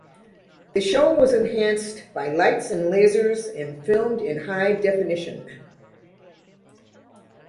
The show was enhanced bylights and lasers, and filmed in high definition.